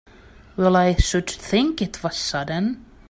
Well I should think it was sudden!